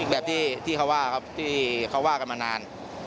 แบบที่เขาว่ากันมานาน